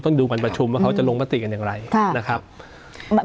ดูการประชุมว่าเขาจะลงมติกันอย่างไรนะครับ